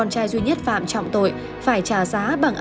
đi đứng xuống xa